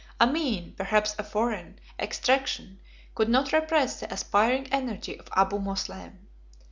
A mean, perhaps a foreign, extraction could not repress the aspiring energy of Abu Moslem.